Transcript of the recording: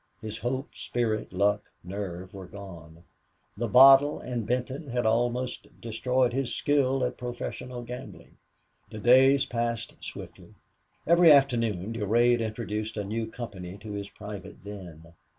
His hope, spirit, luck, nerve were gone. The bottle and Benton had almost destroyed his skill at professional gambling. The days passed swiftly. Every afternoon Durade introduced a new company to his private den.